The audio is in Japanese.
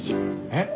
えっ？